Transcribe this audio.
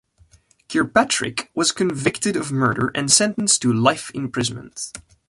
Kirkpatrick was convicted of murder and sentenced to life imprisonment.